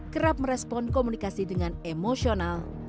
kerap merespon komunikasi dengan emosional